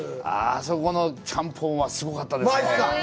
あそこのちゃんぽんはすごかったですね。